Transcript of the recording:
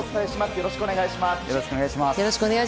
よろしくお願いします。